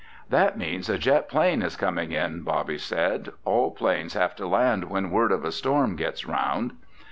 "That means a jet plane is coming in," Bobby said. "All planes have to land when word of a storm gets around."